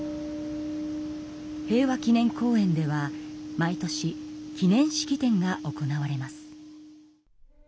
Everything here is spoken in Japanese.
平和記念公園では毎年記念式典が行われます。